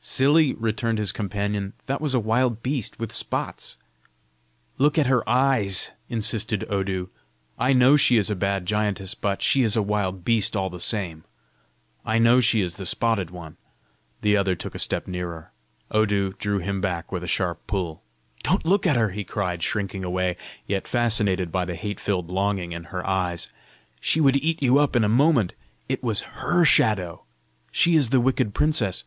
"Silly!" returned his companion. "That was a wild beast, with spots!" "Look at her eyes!" insisted Odu. "I know she is a bad giantess, but she is a wild beast all the same. I know she is the spotted one!" The other took a step nearer; Odu drew him back with a sharp pull. "Don't look at her!" he cried, shrinking away, yet fascinated by the hate filled longing in her eyes. "She would eat you up in a moment! It was HER shadow! She is the wicked princess!"